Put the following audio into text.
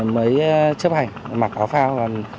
mới chấp hành mặc áo phao